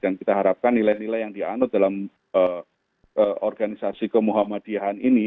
dan kita harapkan nilai nilai yang dianud dalam organisasi kemuhammadiyahan ini